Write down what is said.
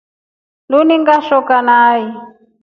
Linu ngeshoka nai.